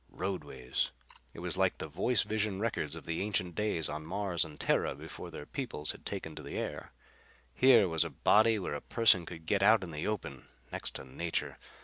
Roadways! It was like the voice vision records of the ancient days on Mars and Terra before their peoples had taken to the air. Here was a body where a person could get out in the open; next to nature.